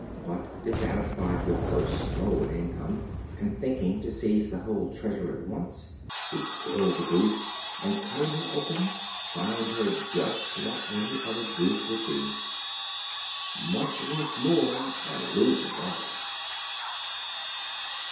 But dissatisfied with so slow an income, and thinking to seize the whole treasure at once, he killed the Goose, and cutting her open, found her just what any other goose would be! Much wants more, and loses all.